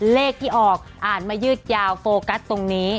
เลขที่ออกอ่านมายืดยาวโฟกัสตรงนี้